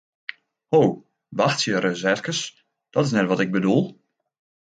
Ho, wachtsje ris efkes, dat is net wat ik bedoel!